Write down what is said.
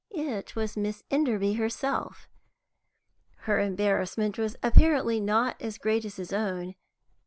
It was Miss Enderby herself. Her embarrassment was apparently not as great as his own.